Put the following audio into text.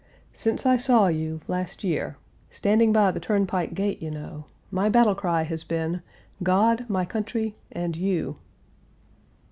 "Since I saw you last year standing by the turnpike gate, you know my battle cry has been: 'God, my country, and you!'